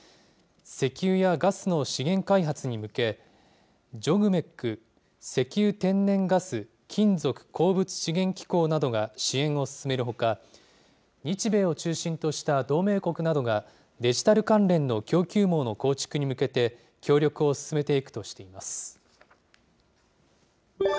石油やガスの資源開発に向け、ＪＯＧＭＥＣ・石油天然ガス・金属鉱物資源機構などが支援を進めるほか、日米を中心とした同盟国などが、デジタル関連の供給網の構築に向けて協力を進めていくとしています。